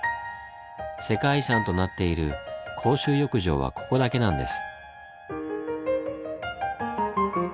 世界遺産となっている公衆浴場はここだけなんです。